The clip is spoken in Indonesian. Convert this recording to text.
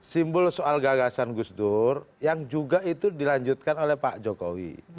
simbol soal gagasan gus dur yang juga itu dilanjutkan oleh pak jokowi